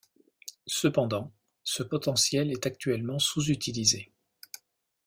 Cependant, ce potentiel est actuellement sous-utilisé.